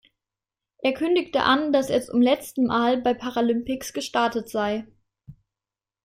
Er kündigte an, dass er zum letzten Mal bei Paralympics gestartet sei.